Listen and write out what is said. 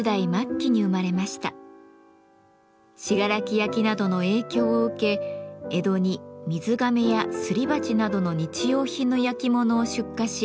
信楽焼などの影響を受け江戸に水がめやすり鉢などの日用品の焼き物を出荷し発展しました。